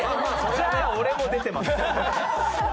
じゃあ俺も出てます！